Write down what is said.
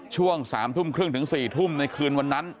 ช่วง๓ทุ่มครึ่งถึง๔ทุ่มในคืนวันนั้น